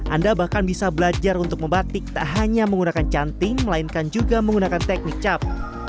anda bahkan bisa belajar untuk membatik tak hanya menggunakan canting melainkan juga menggunakan teknik cap